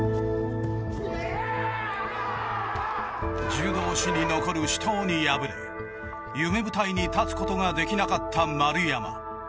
柔道史に残る死闘に敗れ夢舞台に立つことができなかった丸山。